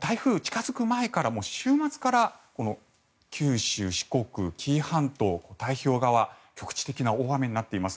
台風、近付く前から週末から九州、四国、紀伊半島太平洋側局地的な大雨になっています。